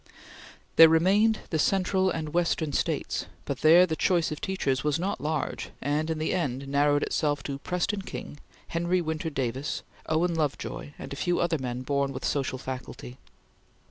There remained the Central and Western States, but there the choice of teachers was not large and in the end narrowed itself to Preston King, Henry Winter Davis, Owen Lovejoy, and a few other men born with social faculty.